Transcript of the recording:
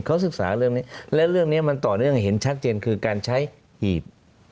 เขาศึกษาเรื่องนี้และเรื่องนี้มันต่อเนื่องเห็นชัดเจนคือการใช้หีบ